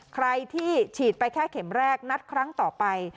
ใครที่ฉีดไปแค่เข็มแรกนัดครั้งต่อไป